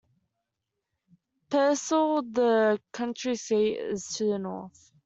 Pearsall, the county seat, is to the north.